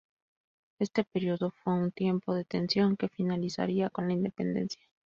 Este periodo fue un tiempo de tensión que finalizaría con la independencia.